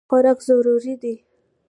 خوراک ضروري دی.